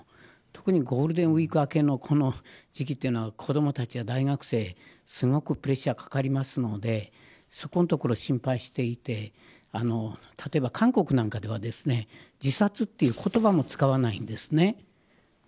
特にゴールデンウイーク明けのこの時期は子どもたちや大学生すごくプレッシャーがかかりますのでそのところを心配していて例えば韓国なんかでは自殺という言葉も使わないんですね。